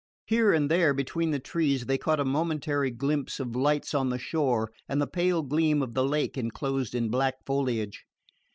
Here and there, between the trees, they caught a momentary glimpse of lights on the shore and the pale gleam of the lake enclosed in black foliage.